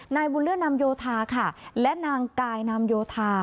นายบุญเลื่อนนำโยธาค่ะและนางกายนามโยธา